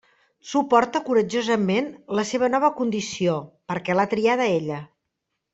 Suporta coratjosament la seva nova condició, perquè l'ha triada ella.